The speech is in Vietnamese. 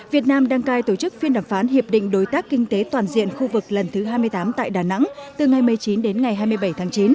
việt nam đăng cai tổ chức phiên đàm phán hiệp định đối tác kinh tế toàn diện khu vực lần thứ hai mươi tám tại đà nẵng từ ngày một mươi chín đến ngày hai mươi bảy tháng chín